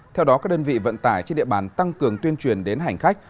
theo đó các đơn vị vận tải trên địa bàn tăng cường tuyên truyền đến hành khách